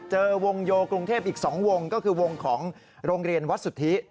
เจอวงโยกรุงเทพอีก๒วงก็คือวงของโรงเรียนวัดสุทธิ